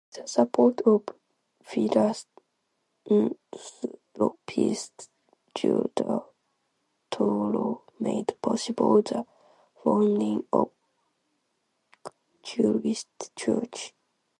The support of philanthropist Judah Touro made possible the founding of Christ Church.